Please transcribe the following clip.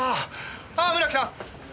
あっ村木さん！